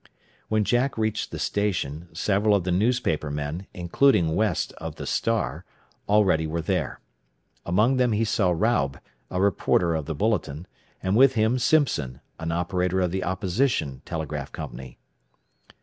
When Jack reached the station, several of the newspaper men, including West of the "Star," already were there. Among them he saw Raub, a reporter of the "Bulletin," and with him Simpson, an operator of the opposition telegraph company.